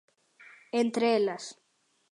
Entre elas: